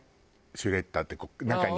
シュレッダーって中に。